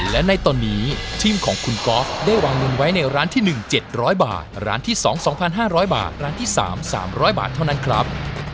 และในตอนนี้ทีมของคุณก๊อฟได้วางเงินไว้ในร้านที่๑๗๐๐บาทร้านที่๒๒๕๐๐บาทร้านที่๓๓๐๐บาทเท่านั้นครับ